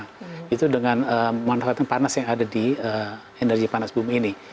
pemanas gula aren itu membuat pemanfaatan panas yang ada di energi panas bumi ini